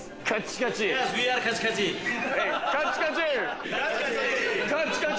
カッチカチ！